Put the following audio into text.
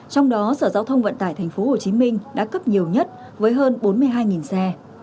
trong đó sở giao thông vận tải tp hcm đã cấp nhiều nhất với hơn bốn mươi hai xe